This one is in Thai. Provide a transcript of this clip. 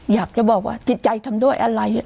อยากจะบอกว่าจิตใจทำด้วยอะไร